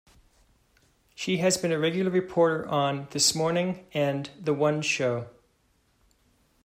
She has been a regular reporter on "This Morning" and "The One Show".